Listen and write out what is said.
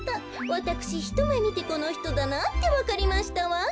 わたくしひとめみてこのひとだなってわかりましたわん。